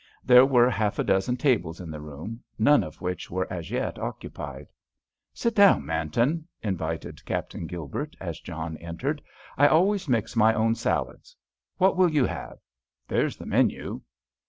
There were half a dozen tables in the room, none of which were as yet occupied. "Sit down, Manton," invited Captain Gilbert, as John entered. "I always mix my own salads. What will you have? There's the menu."